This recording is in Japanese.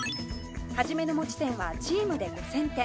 初めの持ち点はチームで５０００点